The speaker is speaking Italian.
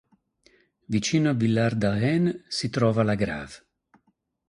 Vicino a Villar-d'Arêne, si trova La Grave.